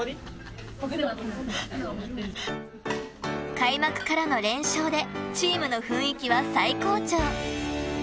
開幕からの連勝でチームの雰囲気は最高潮。